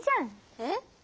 えっ？